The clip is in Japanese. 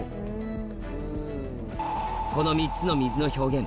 この３つの水の表現